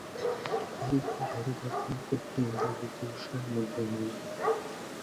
ariko hariho n'ubwenge bugusha mu gahinda